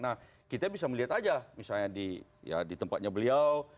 nah kita bisa melihat aja misalnya di tempatnya beliau